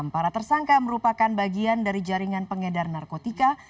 para tersangka merupakan bagian dari jaringan pengedar narkotika